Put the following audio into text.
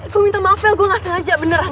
gue minta maaf ya gue gak sengaja beneran